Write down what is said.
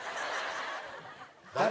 「誰？」